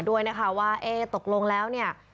ด้วยนะคะว่าเอ๊ะตกลงแล้วเนี่ย